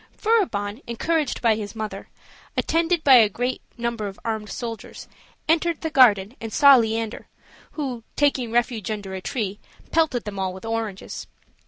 Furibon, encouraged by his mother, and attended by a great number of armed soldiers, entered the garden and saw Leander; who, taking refuge under a tree, pelted them all with oranges.